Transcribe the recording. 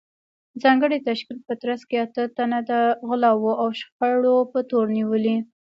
ځانګړې تشکیل په ترڅ کې اته تنه د غلاوو او شخړو په تور نیولي